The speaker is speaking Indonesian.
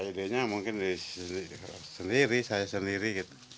ya idenya mungkin dari sendiri saya sendiri